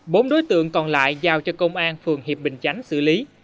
bốn đối tượng còn lại giao cho công an phường hiệp bình chánh xử lý